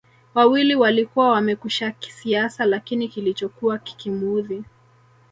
wawili walikuwa wamekwisha kisiasa Lakini kilichokuwa kikimuudhi